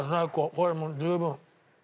これもう十分。